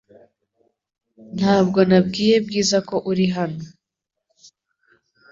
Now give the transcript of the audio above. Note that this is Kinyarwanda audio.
Ntabwo nabwiye Bwiza ko uri hano .